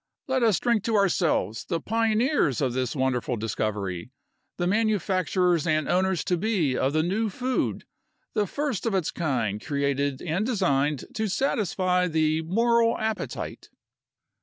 Let us drink to ourselves, the pioneers of this wonderful discovery, the manufacturers and owners to be of the new food, the first of its kind created and designed to satisfy the moral appetite."